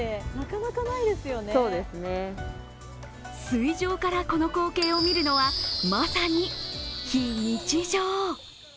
水上からこの光景を見るのは、まさに非日常。